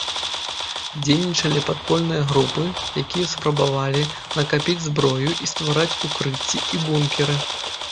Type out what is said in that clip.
Дзейнічалі падпольныя групы, якія спрабавалі накапіць зброю і ствараць укрыцці і бункеры.